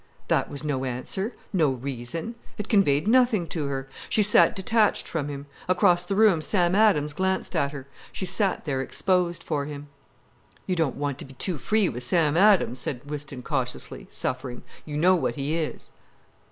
That was no answer, no reason. It conveyed nothing to her. She sat detached from him. Across the room Sam Adams glanced at her. She sat there exposed for him. "You don't want to be too free with Sam Adams," said Whiston cautiously, suffering. "You know what he is."